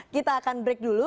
kita akan break dulu